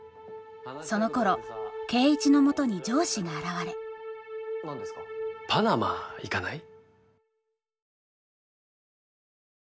そのころ圭一のもとに上司が現れパナマ行かない？